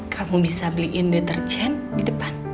kamu bisa beliin data cucian di depan